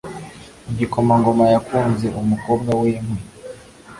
igikomangoma yakunze umukobwa winkwi